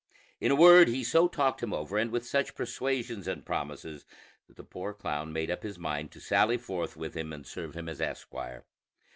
In a word, he so talked him over, and with such persuasions and promises, that the poor clown made up his mind to sally forth with him and serve him as esquire.